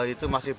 itu masih berubah